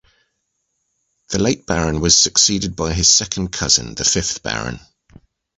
The late Baron was succeeded by his second cousin, the fifth Baron.